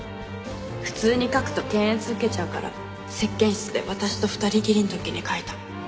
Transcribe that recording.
普通に書くと検閲受けちゃうから接見室で私と２人きりの時に書いた。